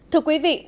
thưa quý vị